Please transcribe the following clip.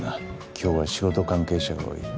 今日は仕事関係者が多い。